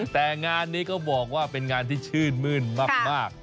แต่งานนี้ก็บอกว่าเป็นงานที่ชื่นมื้นมาก